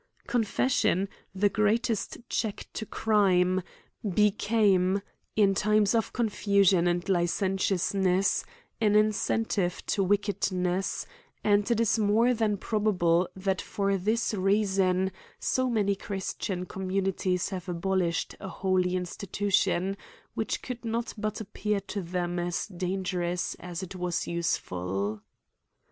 Confession, the greatest check to crime, became, in times of confusion and licentiousness, an incentive to wickedness ; and, it is more than probable, that for this reason,, so many christian communities have abolished a holy institution, which could not but appear to them as dangerous as it was useful.